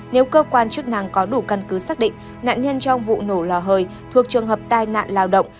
nếu cơ quan chức năng có đủ căn cứ xác định nạn nhân trong vụ nổ lò hơi thuộc trường hợp tai nạn lao động